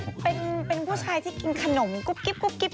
เป็นผู้ชายที่กินขนมกุ๊บกิ๊บกิ๊บ